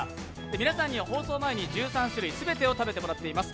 皆さんには放送前に１３種類全てを食べてもらっています。